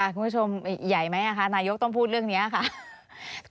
คุณผู้ชมใหญ่ไหมคะนายกต้องพูดเรื่องนี้ค่ะ